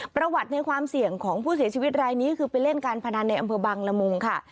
ประวัติในความเสี่ยงของผู้เสียชีวิตรายนี้คือไปเล่นการพนันในอำเภอบังละมุงค่ะ